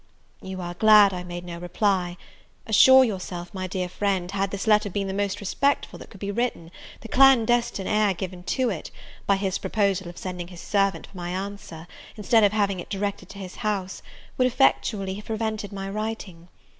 You are glad I made no reply; assure yourself, my dear friend, had this letter been the most respectful that could be written, the clandestine air given to it, by his proposal of sending his servant for my answer, instead of having it directed to his house, would effectually have prevented my writing.